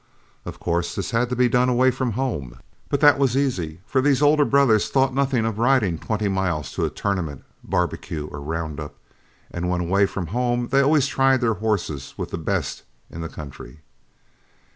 Of course this had to be done away from home; but that was easy, for these older brothers thought nothing of riding twenty miles to a tournament, barbecue, or round up, and when away from home they always tried their horses with the best in the country.